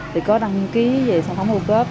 thì có đăng ký về sản phẩm âu cớp